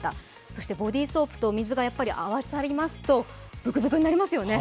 そしてボディーソープとお水が合わさりますとぶくぶくになりますよね。